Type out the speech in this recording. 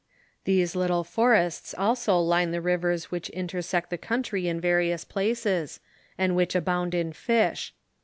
These little forests also line the rivere which intersect the country in various places, and which abound in fish.